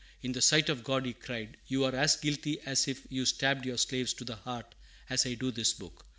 "In the sight of God," he cried, "you are as guilty as if you stabbed your slaves to the heart, as I do this book!"